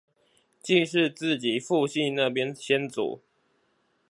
既是自己父系那邊先祖